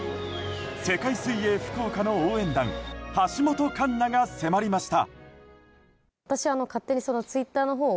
世界水泳福岡の応援団橋本環奈が迫りました。